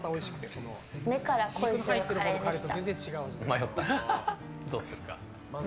目から恋するカレーでした。